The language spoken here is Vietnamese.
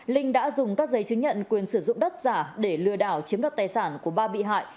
linh đã dùng các giấy chứng nhận quyền sử dụng đất giả để lừa đảo chiếm đoạt tài sản của ba bị hại